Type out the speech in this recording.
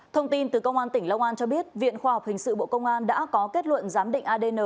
thông tin từ công an tỉnh long an cho biết viện khoa học hình sự bộ công an đã có kết luận giám định adn